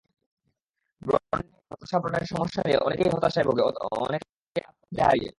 ব্রণ নিয়ে হতাশাব্রণের সমস্যা নিয়ে অনেকেই হতাশায় ভোগে, অনেকে আত্মবিশ্বাস ফেলে হারিয়ে।